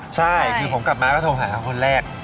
ใช่คือผมกลับมาก็โทรหาเขาคนแรก